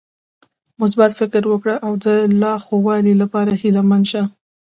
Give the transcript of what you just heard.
مثبت فکر وکړه او د لا ښوالي لپاره هيله مند شه .